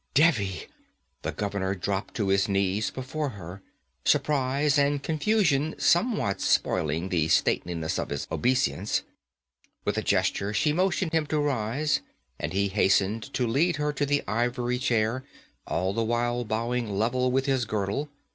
'Devi!' The governor dropped to his knees before her, surprize and confusion somewhat spoiling the stateliness of his obeisance. With a gesture she motioned him to rise, and he hastened to lead her to the ivory chair, all the while bowing level with his girdle.